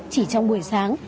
chỉ trong buổi sáng